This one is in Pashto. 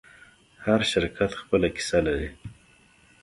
هر شرکت خپله کیسه لري.